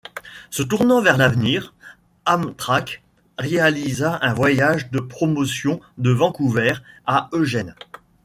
Se tournant vers l'avenir, Amtrak réalisa un voyage de promotion de Vancouver à Eugene.